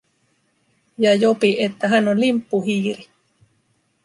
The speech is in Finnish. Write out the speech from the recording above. Ja Jopi, että hän on limppuhiiri.